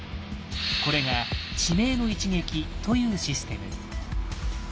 これが「致命の一撃」というシステム。